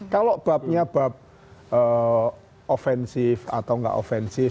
kalau babnya bab ofensif atau nggak ofensif